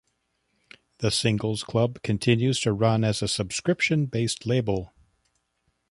The Singles Club continues to run as a subscription based label.